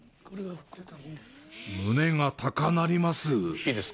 胸が高鳴ります。